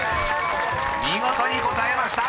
［見事に答えました。